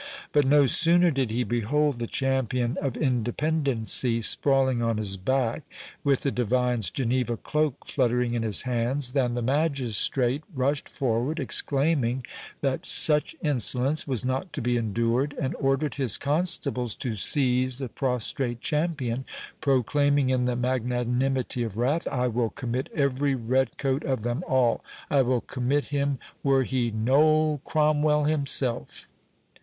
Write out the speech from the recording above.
But no sooner did he behold the champion of independency sprawling on his back, with the divine's Geneva cloak fluttering in his hands, than the magistrate rushed forward, exclaiming that such insolence was not to be endured, and ordered his constables to seize the prostrate champion, proclaiming, in the magnanimity of wrath, "I will commit every red coat of them all—I will commit him were he Noll Cromwell himself!"